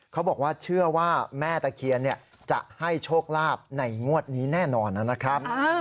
เขาบอกว่าเชื่อว่าแม่ตะเคียนจะให้โชคลาภในงวดนี้แน่นอนนะครับ